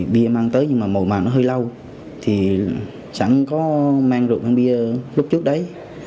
bia mang tới nhưng mà mỗi màn nó hơi lâu thì chẳng có mang được bàn bia lúc trước đấy